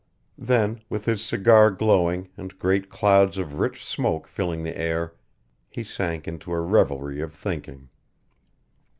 Then, with his cigar glowing and great clouds of rich smoke filling the air he sank into a revelry of thinking.